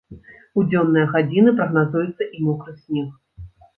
У дзённыя гадзіны прагназуецца і мокры снег.